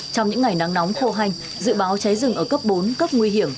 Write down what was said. trong những ngày nắng nóng khô hanh dự báo cháy rừng ở cấp bốn cấp nguy hiểm